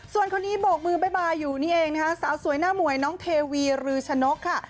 ส่วนคนนี้โบกมือบ๊ายอยู่นี่เองนะคะสาวสวยหน้ามวยน้องเทวีรือชะนกค่ะ